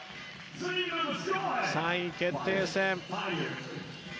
３位決定戦。